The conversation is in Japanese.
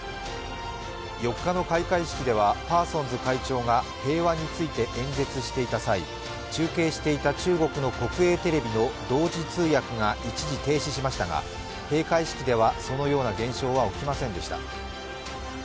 ４日の開会式ではパーソンズ会長が平和について演説していた際、中継していた中国の国営テレビの同時通訳が一時停止しましたが閉会式ではそのような現象は起きませんでした。